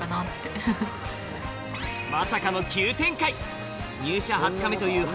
まさかの急展開！